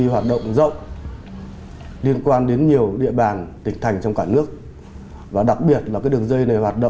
hoạt động của đối tượng thiện rất tinh vi xảo quyệt